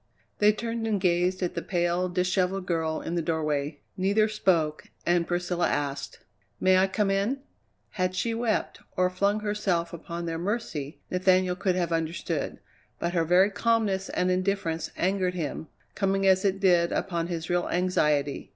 They turned and gazed at the pale, dishevelled girl in the doorway. Neither spoke and Priscilla asked: "May I come in?" Had she wept, or flung herself upon their mercy, Nathaniel could have understood, but her very calmness and indifference angered him, coming as it did upon his real anxiety.